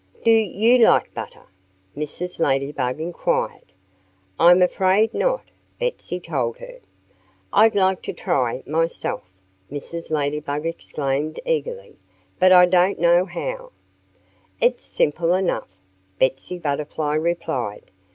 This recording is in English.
"Do you like butter?" Mrs. Ladybug inquired. "I'm afraid not," Betsy told her. "I'd like to try, myself," Mrs. Ladybug exclaimed eagerly. "But I don't know how." "It's simple enough," Betsy Butterfly replied.